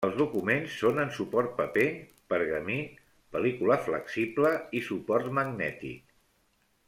Els documents són en suport paper, pergamí, pel·lícula flexible i suport magnètic.